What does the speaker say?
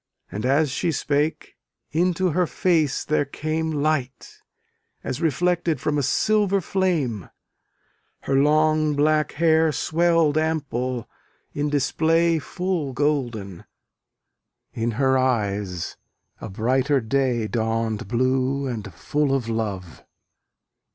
And as she spake, into her face there came Light, as reflected from a silver flame: Her long black hair swelled ample, in display Full golden: in her eyes a brighter day Dawn'd blue and full of love.